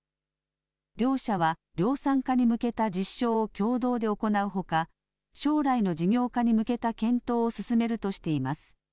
両社は量産化に向けた実証を共同で行うほか将来の事業化に向けた検討を進めるとしています。